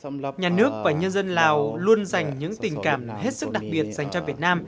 đảng nhà nước và nhân dân lào luôn dành những tình cảm hết sức đặc biệt dành cho việt nam